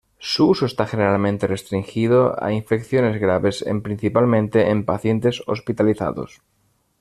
Su uso está generalmente restringido a infecciones graves en principalmente en pacientes hospitalizados.